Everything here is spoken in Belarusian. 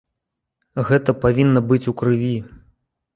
Гэта павінна быць у крыві.